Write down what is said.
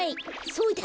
そうだ！